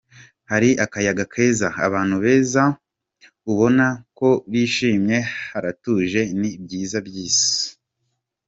Hari akayaga keza, abantu beza ubona ko bishimye, haratuje, ni byiza byiza.